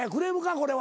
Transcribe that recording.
これは。